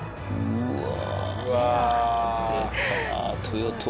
うわ！